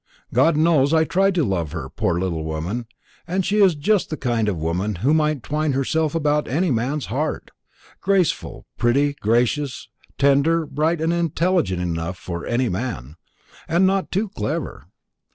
God knows I tried to love her, poor little woman; and she is just the kind of woman who might twine herself about any man's heart graceful, pretty, gracious, tender, bright and intelligent enough for any man; and not too clever.